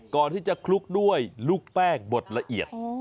ก่อนที่จะคลุกด้วยลูกแป้งบดละเอียด